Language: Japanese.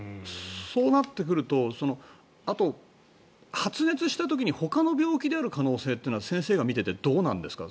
そうなってくるとあと、発熱した時にほかの病気である可能性というのは先生が診ていてどうなんですか？